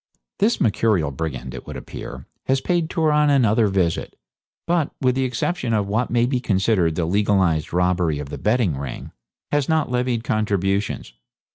This mercurial brigand, it would appear, has paid Turon another visit, but, with the exception of what may be considered the legalised robbery of the betting ring, has not levied contributions.